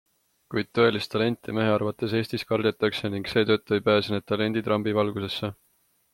Kuid tõelist talenti mehe arvates Eestis kardetakse ning seetõttu ei pääse need talendid rambivalgusesse.